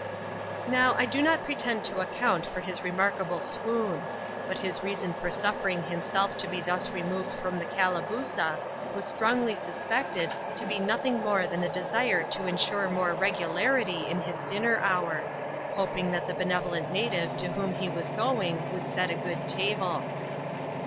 Now, I do not pretend to account for his remarkable swoon ; but his reason for suffering himself to be thus removed from tbe Calabooza was strongly suspected to be nothing more than a desire to insure more regularity in his dinner hour; hoping that the benevolent native to whom he was going would set a good table.